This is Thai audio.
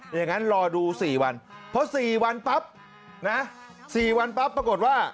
อย่างนั้นรอดู๔วันเพราะ๔วันปั๊บนะ๔วันปั๊บปรากฏว่า